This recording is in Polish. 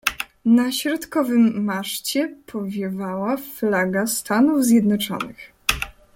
"Na środkowym maszcie powiewała flaga Stanów Zjednoczonych."